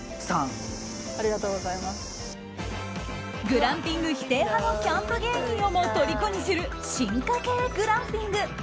グランピング否定派のキャンプ芸人をもとりこにする進化形グランピング。